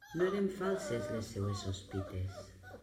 No eren falses les seues sospites!